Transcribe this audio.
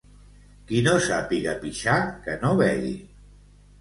Qui no sàpiga pixar, que no begui.